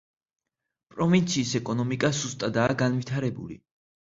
პროვინციის ეკონომიკა სუსტადაა განვითარებული.